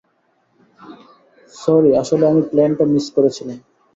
Sorry, আসলে আমি প্লেনটা মিস করেছিলাম।